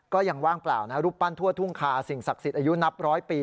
ว่ายังว่างเปล่านะรูปปั้นทั่วทุ่งคาสิ่งศักดิ์สิทธิ์อายุนับร้อยปี